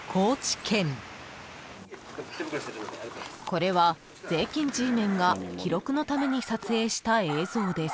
［これは税金Ｇメンが記録のために撮影した映像です］